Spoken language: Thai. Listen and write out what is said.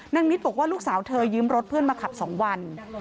นิดบอกว่าลูกสาวเธอยืมรถเพื่อนมาขับ๒วัน